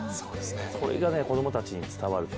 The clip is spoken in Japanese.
これが子供たちに伝わると。